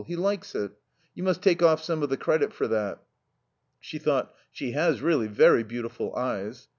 He likes it. You must take off some of the credit for that." She thought: "She has really very beautiful eyes."